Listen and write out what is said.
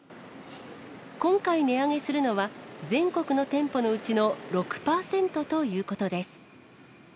今回値上げするのは、全国の店舗のうちの６％ということです。